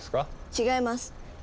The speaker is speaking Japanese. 違います。